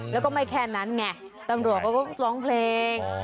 แล้วก็ไม่แค่นั้นไงตำรวจเขาก็ร้องเพลง